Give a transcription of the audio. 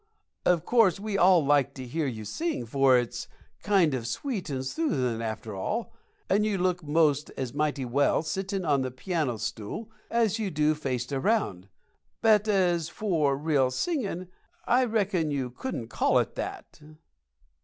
Of course, we all like to hear you sing, for it's kind of sweet and soothin' after all, and you look most as mighty well sittin' on the piano stool as you do faced around. But as for real singin' I reckon you couldn't call it that."